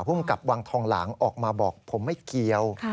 ภูมิกับวังทองหลางออกมาบอกผมไม่เกี่ยว